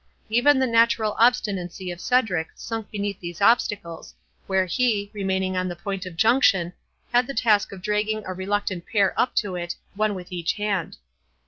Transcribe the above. Even the natural obstinacy of Cedric sunk beneath these obstacles, where he, remaining on the point of junction, had the task of dragging a reluctant pair up to it, one with each hand.